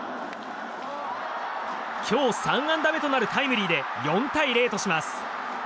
今日３安打目となるタイムリーで４対０とします。